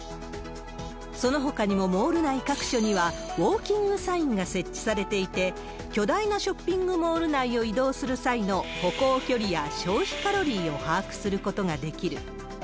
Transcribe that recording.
そのほかにもモール内各所にはウォーキングサインが設置されていて、巨大なショッピングモール内を移動する際の歩行距離や消費カロリーを把握することができる。